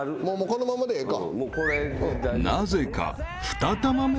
このままでええか。